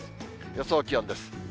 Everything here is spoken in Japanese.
予想気温です。